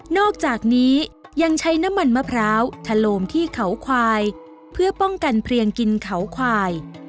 อกจากนี้ยังใช้น้ำมันมะพร้าวทะโลมที่เขาควายเพื่อป้องกันเพลียงกินเขาควาย